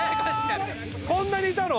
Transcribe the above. こんなにいたの？